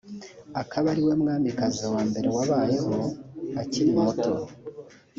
akaba ariwe mwamikazi wa mbere wabayeho akiri muto